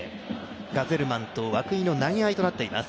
ガゼルマンと涌井の投げ合いとなっています。